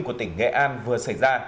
của tỉnh nghệ an vừa xảy ra